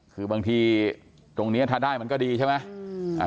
คือบางทีตรงนี้ถ้าได้ก็ดีใช่บ้างนะฮะ